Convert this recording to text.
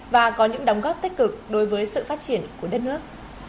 và có những đóng góp tích cực đối với sự phát triển của đất nước